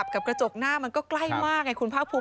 น้ำกระจกหน้ามันก็ใกล้มากนะคุณภครับ